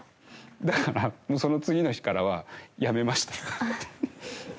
だからその次の日からはやめました。